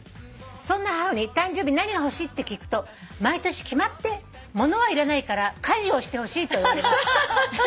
「そんな母に誕生日何が欲しい？って聞くと毎年決まって『物はいらないから家事をしてほしい』と言われます」